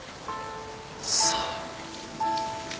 さあ。